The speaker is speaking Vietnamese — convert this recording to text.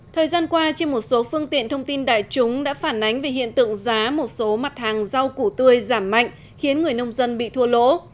thời gian qua trên một số phương tiện thông tin đại chúng đã phản ánh về hiện tượng giá một số mặt hàng rau củ tươi giảm mạnh khiến người nông dân bị thua lỗ